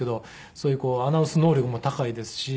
そういうアナウンス能力も高いですし。